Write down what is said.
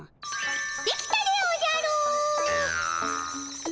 出来たでおじゃる！